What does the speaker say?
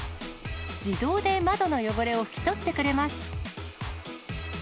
自動で窓の汚れを拭き取ってくれます。